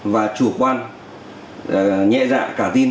và chủ quan nhẹ dạ cả tin